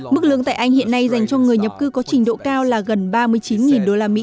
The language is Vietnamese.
mức lương tại anh hiện nay dành cho người nhập cư có trình độ cao là gần ba mươi chín usd